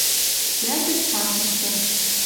йӓл гӹц пачышты